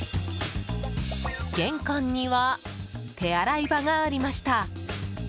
玄関には手洗い場がありました。